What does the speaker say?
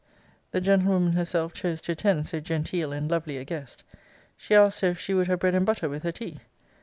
The gentlewoman herself chose to attend so genteel and lovely a guest. She asked her if she would have bread and butter with her tea?